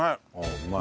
うまい。